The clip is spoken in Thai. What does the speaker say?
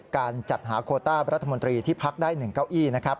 การจัดหาโคต้ารัฐมนตรีที่พักได้๑เก้าอี้นะครับ